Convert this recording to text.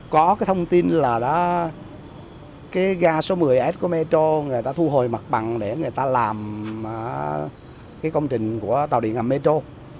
có thông tin là gà số một mươi s của metro người ta thu hồi mặt bằng để người ta làm công trình của tàu điện ngầm metro